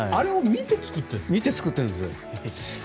見て作っているんです。